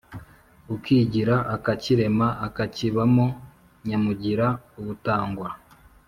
ukigira, akakirema, akakibamo nyamugira ubutangwa.”